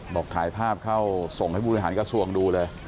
บอกถ่ายภาพเข้าส่งให้ผู้บริหารกระทรวงดูเลย